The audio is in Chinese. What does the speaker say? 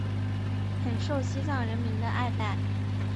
很受西藏人民的爱戴。